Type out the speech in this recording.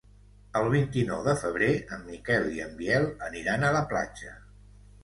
El vint-i-nou de febrer en Miquel i en Biel aniran a la platja.